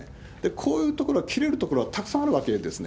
こういうところは切れるところはたくさんあるわけですね。